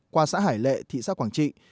qua xã hải lệ thị xã quảng trị